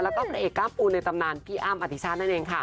แล้วก็พระเอกกล้ามปูในตำนานพี่อ้ำอธิชาตินั่นเองค่ะ